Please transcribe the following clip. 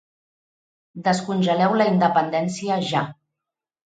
Descongeleu la independència ja.